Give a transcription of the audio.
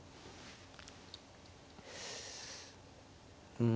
うん。